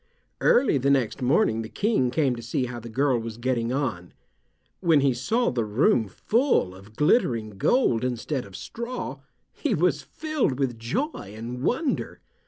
Early the next morning the King came to see how the girl was getting on. When he saw the room full of glittering gold instead of straw he was filled with joy and wonder.